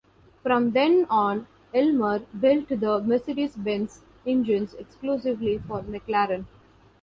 From then on Ilmor built the Mercedes-Benz engines exclusively for McLaren.